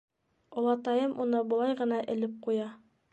Олатайым уны былай ғына элеп ҡуя.